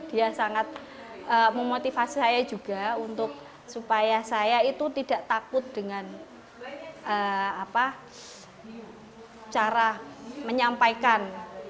dia sangat memotivasi saya juga untuk supaya saya itu tidak takut dengan cara menyampaikan